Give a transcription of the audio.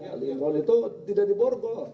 ali imron itu tidak di borgol